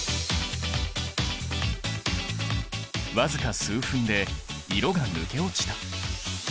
僅か数分で色が抜け落ちた。